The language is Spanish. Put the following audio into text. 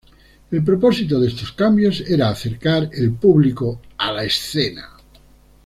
El propósito de estos cambios era acercar el público a la escena.